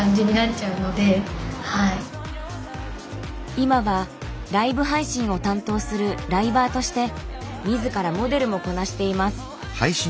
今はライブ配信を担当するライバーとして自らモデルもこなしています。